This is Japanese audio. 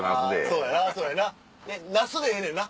そうやなそうやなナスでええねんな？